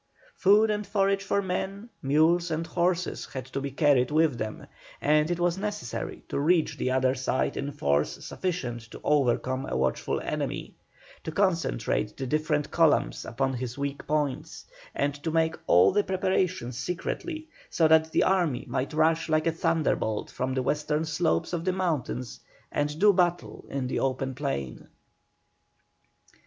Food and forage for men, mules, and horses had to be carried with them, and it was necessary to reach the other side in force sufficient to overcome a watchful enemy; to concentrate the different columns upon his weak points; and to make all the preparations secretly, so that the army might rush like a thunderbolt from the western slopes of the mountains and do battle in the open plain.